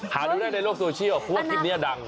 หาดูได้ในโลกโซเชียลเพราะว่าคลิปนี้ดัง